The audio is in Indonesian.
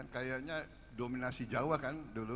kayaknya dominasi jawa kan dulu